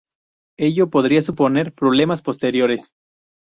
Ello podría suponer problemas posteriores.